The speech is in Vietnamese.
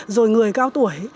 rồi người cao tuổi